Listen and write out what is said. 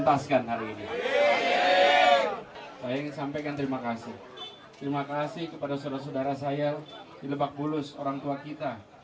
terima kasih kepada saudara saudara saya dilebak bulus orang tua kita